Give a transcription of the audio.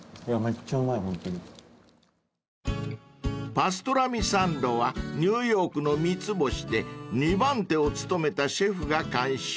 ［パストラミサンドはニューヨークの三つ星で二番手を務めたシェフが監修］